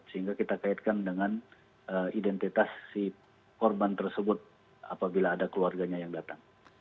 sehingga kita kaitkan dengan identitas si korban tersebut apabila ada keluarganya yang datang